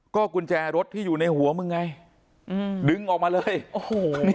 ก็กุญแจรถที่อยู่ในหัวมึงไงอืมดึงออกมาเลยโอ้โหนี่